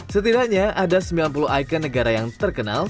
setidaknya ada sembilan puluh ikon negara yang terkenal